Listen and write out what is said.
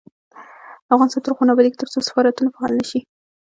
افغانستان تر هغو نه ابادیږي، ترڅو سفارتونه فعال نشي.